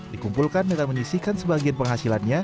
dikumpulkan dengan menyisihkan sebagian penghasilannya